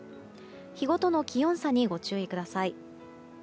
日ごとの気温差にご注意ください。